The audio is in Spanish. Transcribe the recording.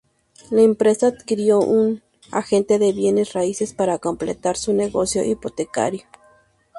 La empresa adquirió un agente de bienes raíces para complementar su negocio hipotecario.